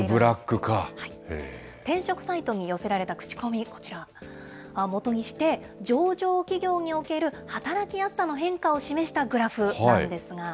転職サイトに寄せられた口コミ、こちらを基にして上場企業における働きやすさの変化を示したグラフなんですが。